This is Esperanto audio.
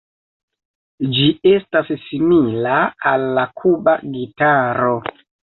Ĝi estas simila al la Kuba gitaro.